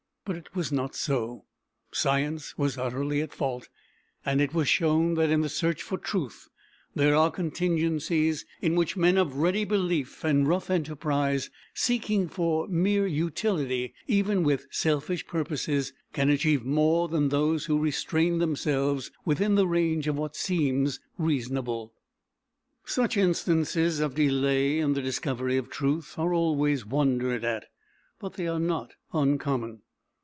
But it was not so: science was utterly at fault; and it was shown that in the search for truth there are contingencies in which men of ready belief and rough enterprise, seeking for mere utility even with selfish purposes, can achieve more than those who restrain themselves within the range of what seems reasonable. Such instances of delay in the discovery of truth are always wondered at, but they are not uncommon.